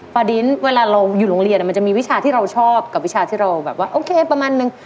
ดินเวลาเราอยู่โรงเรียนมันจะมีวิชาที่เราชอบกับวิชาที่เราแบบว่าโอเคประมาณนึง